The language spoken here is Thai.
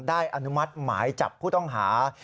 อนุมัติหมายจับผู้ต้องหา